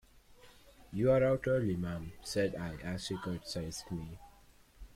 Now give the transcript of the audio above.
"You are out early, ma'am," said I as she curtsied to me.